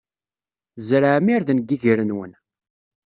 Tzerɛem irden deg yiger-nwen.